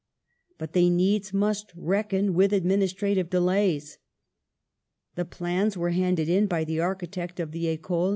But they needs must reckon with administrative delays! The plans were handed in by the architect of the Ecole, M.